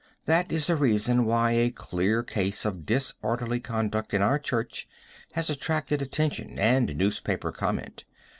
That is the reason why a clear case of disorderly conduct in our church has attracted attention and newspaper comment.